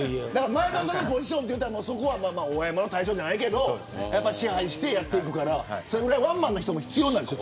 前園さんのポジションもお山の大将じゃないけど支配してやっていくからそれぐらいワンマンな人も必要なんでしょ。